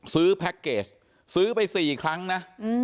แพ็คเกจซื้อไป๔ครั้งนะ